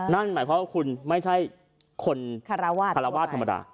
นั่นหมายความว่าคุณไม่ใช่คนคารวาสธรรมดา